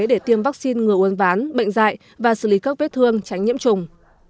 để tiêm vaccine ngừa uống ván bệnh dại và xử lý các vết thương tránh nhiễm trùng